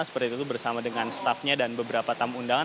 seperti itu bersama dengan staffnya dan beberapa tamu undangan